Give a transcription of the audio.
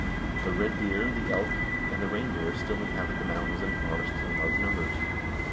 The red deer, the elk, and the reindeer still inhabit the mountains and forests in large numbers.